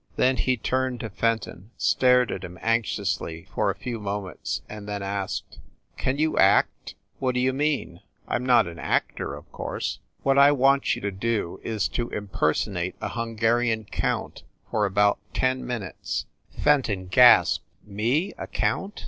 Then he turned to Fenton, stared at him anxiously for a few moments, and then asked, "Can you act ?" "What d you mean ? I m not an actor, of course !" "What I want you to do, is to impersonate a Hun garian count for about ten minutes." 212 FIND THE WOMAN Fenton gasped. "Me? A count?"